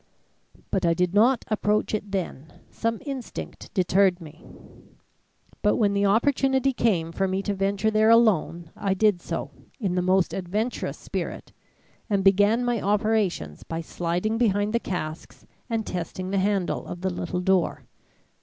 But I did not approach it then; some instinct deterred me. But when the opportunity came for me to venture there alone, I did so, in the most adventurous spirit, and began my operations by sliding behind the casks and testing the handle of the little door.